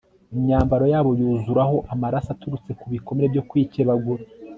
imyambaro yabo yuzuraho amaraso aturutse ku bikomere byo kwikebagura